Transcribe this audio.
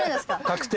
確定。